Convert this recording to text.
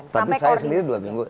tapi saya sendiri dua minggu